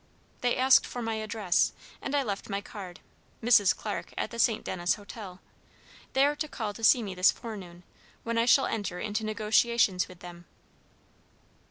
They asked for my address, and I left my card, Mrs. Clarke, at the St. Denis Hotel. They are to call to see me this forenoon, when I shall enter into negotiations with them."